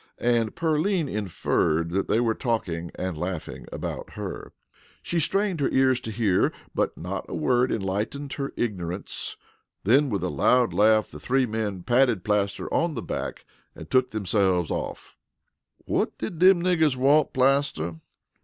and Pearline inferred that they were talking and laughing about her. She strained her ears to hear, but not a word enlightened her ignorance. Then with a loud laugh the three men patted Plaster on the back and took themselves off. "Whut did them niggers want, Plaster?"